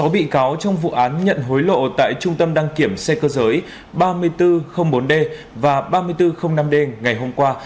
sáu bị cáo trong vụ án nhận hối lộ tại trung tâm đăng kiểm xe cơ giới ba nghìn bốn trăm linh bốn d và ba nghìn bốn trăm linh năm d ngày hôm qua